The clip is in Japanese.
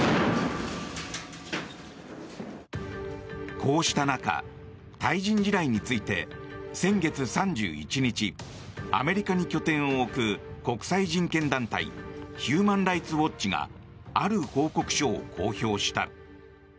こうした中、対人地雷について先月３１日アメリカに拠点を置く国際人権団体ヒューマン・ライツ・ウォッチがある報告書を公表した。